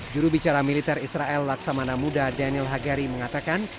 jurubicara militer israel laksamana muda daniel hagari mengatakan